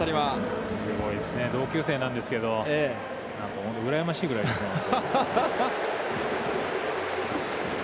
すごいですね、同級生なんですけど、うらやましいぐらいです。